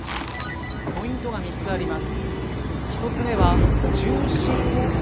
ポイントが３つあります。